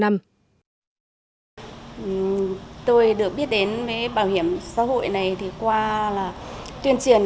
tôi được biết đến với bảo hiểm xã hội này qua tuyên truyền